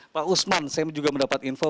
pak usman saya juga mendapat info